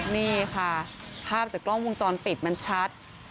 นี่ค่ะภาพจากกล้องวงจรปิดมันชัด